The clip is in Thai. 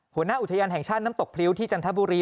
หัวหน้าอุทยานแห่งชาติน้ำตกพริ้วที่จันทบุรี